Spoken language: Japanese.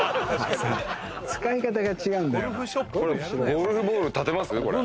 ゴルフボールに立てます？